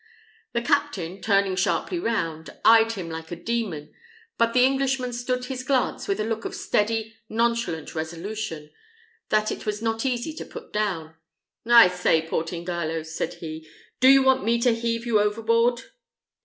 The captain, turning sharply round, eyed him like a demon, but the Englishman stood his glance with a look of steady, nonchalant resolution, that it was not easy to put down. "I say, Portingallo," said he, "do you want me to heave you overboard?"